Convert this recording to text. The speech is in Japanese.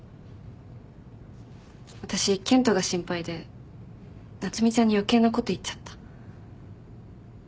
私健人が心配で夏海ちゃんに余計なこと言っちゃった。